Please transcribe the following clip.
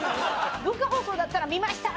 文化放送だったら見ました！